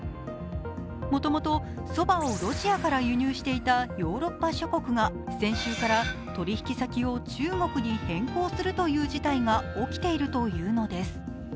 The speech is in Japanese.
もともとそばをロシアから輸入していたヨーロッパ諸国が先週から取引先を中国に変更するという事態が起きているというのです。